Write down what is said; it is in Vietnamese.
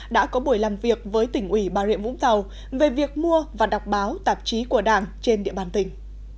đã có buổi làm việc với tỉnh ủy bà rịa vũng tàu về việc mua và đọc báo tạp chí của đảng trên địa bàn tỉnh